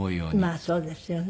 まあそうですよね。